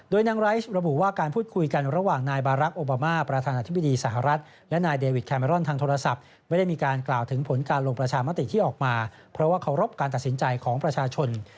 โดยนางไลท์ระบุว่าการพูดคุยกันระหว่างนายบารักษ์โอบามาประธานาธิบดีสหรัฐและนายเดวิดแคเมรอนทางโทรศัพท์ไม่ได้มีการกล่าวถึงผลการลงประชามติที่ออกมาเพราะว่าเคารพการตัดสินใจของประชาชน